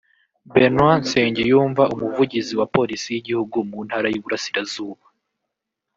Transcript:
Benoit Nsengiyumva umuvugizi wa Polisi y’igihugu mu Ntara y’Iburasirazuba